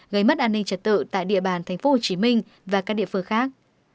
gây mất an ninh trật tự tại địa bàn tp hcm và các địa phương khác